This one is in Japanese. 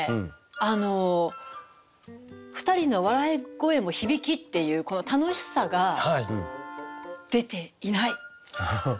あの「ふたりの笑い声も響き」っていうこの楽しさが出ていないですか？